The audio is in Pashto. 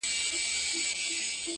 پر غزل مي دي جاګیر جوړ کړ ته نه وې-